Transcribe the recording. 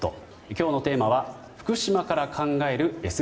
今日のテーマは福島から考えるＳＤＧｓ。